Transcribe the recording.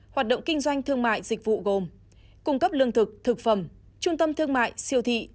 hoạt động kinh doanh thương mại dịch vụ gồm cung cấp lương thực thực phẩm trung tâm thương mại siêu thị